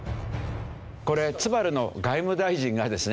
これツバルの外務大臣がですね